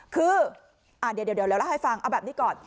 คือเดี๋ยวเล่าให้ฟังเอาแบบนี้ก่อน